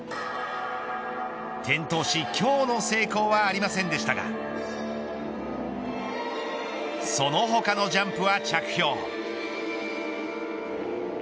転倒し今日の成功はありませんでしたがその他のジャンプは着氷。